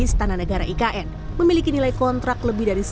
istana negara ikn memiliki nilai kontrak lebih dari satu